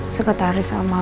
sekretaris amarhum marta